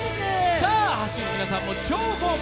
走る皆さんも超豪華。